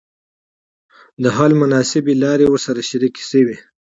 د حل مناسبي لاري ورسره شریکي سوې.